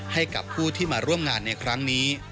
ให้กับผู้ที่มาร่วมงานในครั้งนี้